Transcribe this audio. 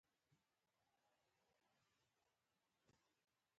بخښنه کول د لویانو کار دی.